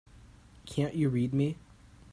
Can't you read me?